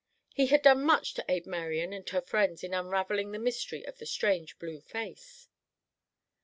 He had done much to aid Marian and her friends in unravelling the mystery of the strange blue face.